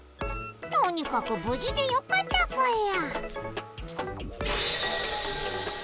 とにかくぶじでよかったぽよ。